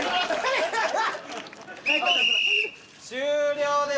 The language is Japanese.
終了です。